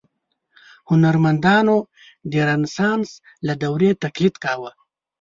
هنرمندانو د رنسانس له دورې تقلید کاوه.